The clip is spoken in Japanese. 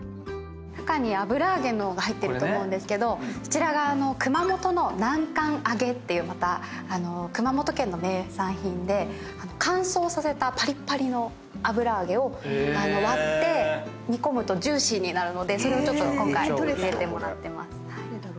中に油揚げが入ってると思うんですけどそちらが熊本の南関あげっていう熊本県の名産品で乾燥させたパリッパリの油揚げを割って煮込むとジューシーになるのでそれを今回入れてもらってます。